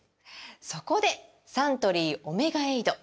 そこでサントリー「オメガエイド」！